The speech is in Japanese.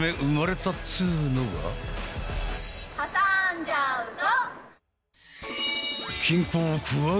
はさんじゃうぞ。